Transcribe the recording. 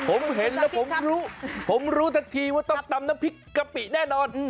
ผมเห็นแล้วผมรู้ผมรู้ทันทีว่าต้องตำน้ำพริกกะปิแน่นอน